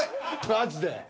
マジで。